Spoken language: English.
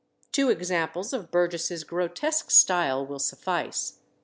Two examples of Burgess's grotesque style will suffice.